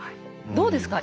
どうですか？